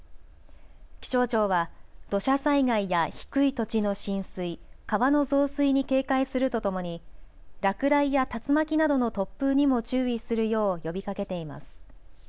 気象庁は土砂災害や低い土地の浸水、川の増水に警戒するとともに落雷や竜巻などの突風にも注意するよう呼びかけています。